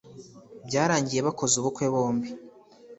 Byarangiye bakoze ubukwe bombi